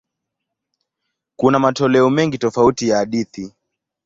Kuna matoleo mengi tofauti ya hadithi.